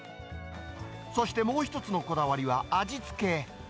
そしてもう１つのこだわりは味付け。